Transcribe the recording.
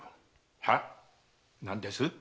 は？何です？